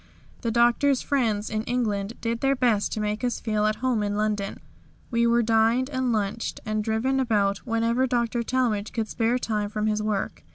The Doctor's friends in England did their best to make us feel at home in London. We were dined and lunched, and driven about whenever Dr. Talmage could spare time from his work.